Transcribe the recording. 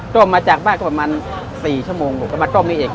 ต้มมาจากบ้านประมาณ๔ชมร่งต้มงี้เอง